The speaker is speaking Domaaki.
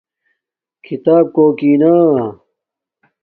کھیتاپ کوکی نا